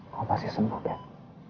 kamu pasti sembuh kate